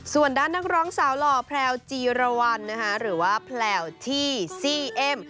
ส่วนด้านนักร้องสาวหล่อแพลวจีรวรรณหรือว่าแพลวที่ซี่เอ็ม